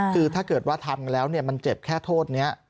คือถ้าเกิดว่าทำแล้วมันเจ็บแค่โทษนี้